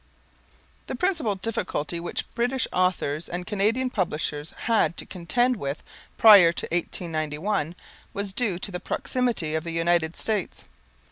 The principal difficulty which British authors and Canadian publishers had to contend with prior to 1891, was due to the proximity of the United States.